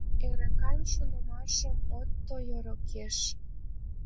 Эрыкан шонымашым от тойо рокеш.